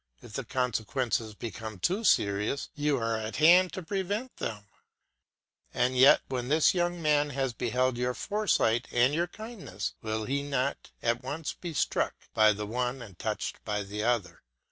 If the consequences become too serious, you are at hand to prevent them; and yet when this young man has beheld your foresight and your kindliness, will he not be at once struck by the one and touched by the other?